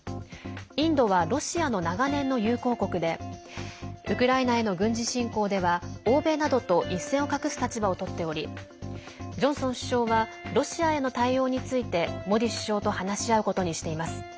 インドはロシアの長年の友好国でウクライナへの軍事侵攻では欧米などと一線を画す立場をとっておりジョンソン首相はロシアへの対応についてモディ首相と話し合うことにしています。